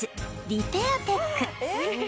リペアテック